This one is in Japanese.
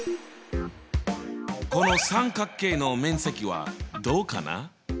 この三角形の面積はどうかな？